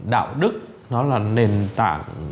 đạo đức nó là nền tảng